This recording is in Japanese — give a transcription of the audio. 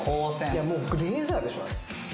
いやもうレーザーでしょ。